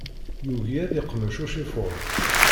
Yugi ad iqmec ucifuḍ.